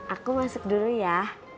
aku masuk dulu ya